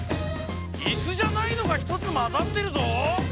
イスじゃないのがひとつまざってるぞ！